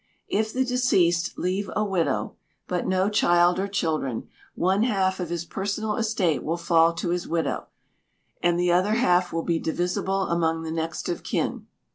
If the Deceased leave a Widow, but no child or children, one half of his personal estate will fall to his widow, and the other half will be divisible among the next of kin.